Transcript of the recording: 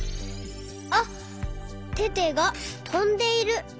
あっテテがとんでいる。